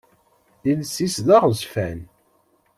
Iles-is d aɣezfan.